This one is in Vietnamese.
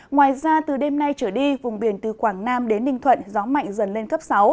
ngoài ra từ đêm nay trở đi vùng biển từ quảng nam đến ninh thuận gió mạnh dần lên cấp sáu